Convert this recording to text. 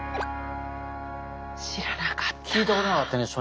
知らなかったな。